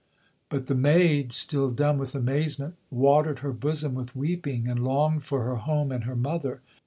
But the maid, still dumb with amazement, Watered her bosom with weeping, and longed for her home and her mother.